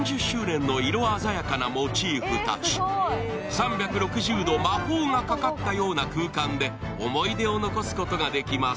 ３６０度魔法がかかったような空間で思い出を残すことができます。